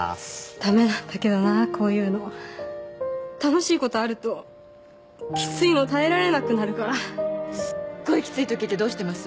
ダメなんだけどなこういうのは楽しいことあるときついの耐えられなくなるからすっごいきついときってどうしてます？